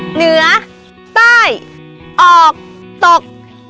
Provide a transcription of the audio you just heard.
เหนือใต้ออกตก